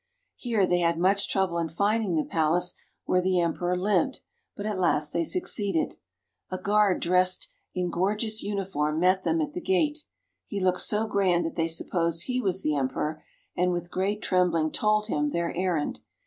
Here they had much trouble in finding the palace where the em^ ^or lived, but at last they succeeded. A guard dressed in gorgeous uniform met them at the gate; he looked so grand that they supposed he was the emperor, and with great trembling told him their errand.